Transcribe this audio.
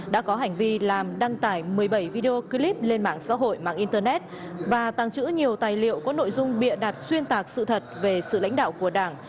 đã có hành vi làm đăng tải một mươi bảy video clip lên mạng xã hội mạng internet và tăng trữ nhiều tài liệu có nội dung bịa đặt xuyên tạc sự thật về sự lãnh đạo của đảng